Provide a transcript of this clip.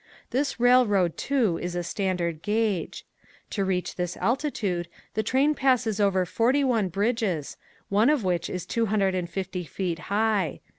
This railroad too is a standard gauge. To reach this altitude the train passes over forty one bridges, one of which is two hundred and fifty feet high.